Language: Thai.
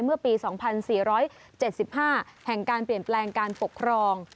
เมื่อปี๒๔๗๕แห่งการเปลี่ยนแปลงการปกครอง